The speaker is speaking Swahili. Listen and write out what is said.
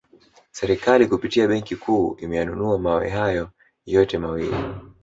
Serikali kupitia benki kuu imeyanunua mawe hayo yote mawili